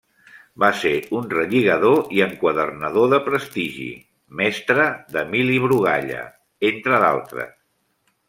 Va ser un relligador i enquadernador de prestigi, mestre d'Emili Brugalla, entre d'altres.